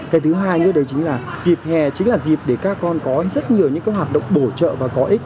cái thứ hai nữa đấy chính là dịp hè chính là dịp để các con có rất nhiều những hoạt động bổ trợ và có ích